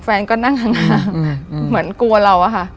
แฟนก็นั่งห่างห่างอืมอืมเหมือนกลัวเราอะค่ะ